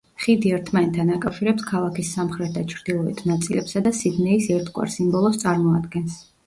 ხიდი ერთმანეთთან აკავშირებს ქალაქის სამხრეთ და ჩრდილოეთ ნაწილებსა და სიდნეის ერთგვარ სიმბოლოს წარმოადგენს.